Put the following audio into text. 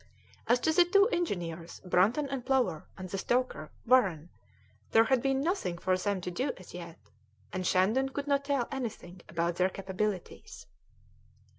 As to the two engineers, Brunton and Plover, and the stoker, Warren, there had been nothing for them to do as yet, and Shandon could not tell anything about their capabilities.